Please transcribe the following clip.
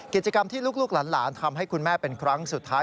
กิจกรรมที่ลูกหลานทำให้คุณแม่เป็นครั้งสุดท้าย